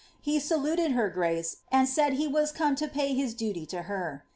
Ha aduiHl her grace, and said he was come to pay hia duty to her.